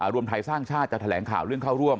รวมไทยสร้างชาติจะแถลงข่าวเรื่องเข้าร่วม